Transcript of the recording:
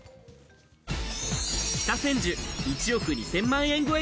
北千住１億２０００万円超え